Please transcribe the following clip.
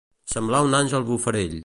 Semblar un àngel bufarell.